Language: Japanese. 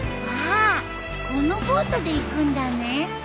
ああこのボートで行くんだね。